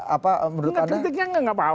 apa menurut anda kritiknya nggak apa apa